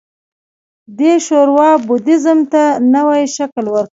دې شورا بودیزم ته نوی شکل ورکړ